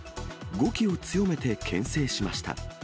語気を強めてけん制しました。